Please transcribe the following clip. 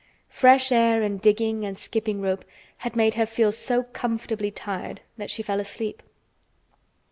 Fresh air, and digging, and skipping rope had made her feel so comfortably tired that she fell asleep.